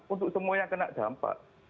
untuk semua yang kena dampak